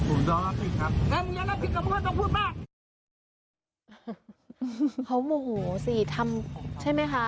โอ้โหเค้าโมโหสีทำใช่ไหมคะ